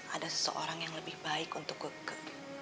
ada seseorang yang lebih baik untuk keke